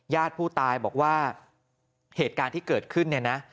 ญาติผู้ตายบอกว่าเหตุการณ์ที่เกิดขึ้นเนี่ยนะ